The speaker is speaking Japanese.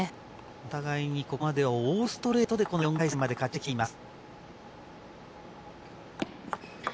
お互いにここまでオールストレートでこの４回戦まで勝ち上がってきています。